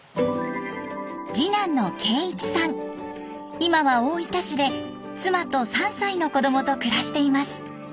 今は大分市で妻と３歳の子供と暮らしています。